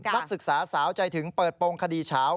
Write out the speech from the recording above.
นักศึกษาสาวใจถึงเปิดโปรงคดีเช้า